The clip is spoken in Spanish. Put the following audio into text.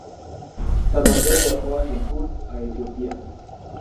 San Mateo viajó hacia el sur, a Etiopía.